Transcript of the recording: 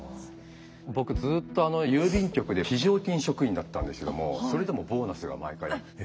僕ずっと郵便局で非常勤職員だったんですけどもそれでもボーナスが毎回あって。